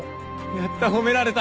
やった褒められた！